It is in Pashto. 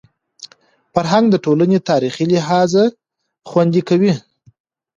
فرهنګ د ټولني تاریخي حافظه خوندي کوي.